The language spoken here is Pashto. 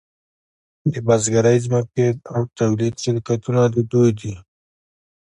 د بزګرۍ ځمکې او تولیدي شرکتونه د دوی دي